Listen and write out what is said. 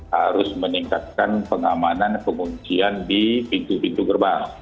harus meningkatkan pengamanan penguncian di pintu pintu gerbang